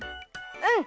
うん！